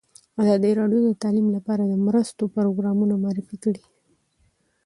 ازادي راډیو د تعلیم لپاره د مرستو پروګرامونه معرفي کړي.